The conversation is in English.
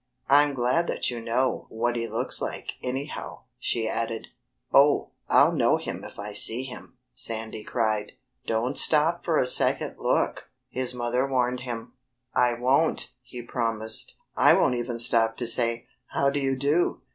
"I'm glad that you know what he looks like, anyhow," she added. "Oh, I'll know him if I see him!" Sandy cried. "Don't stop for a second look!" his mother warned him. "I won't!" he promised. "I won't even stop to say, 'How do you do!'"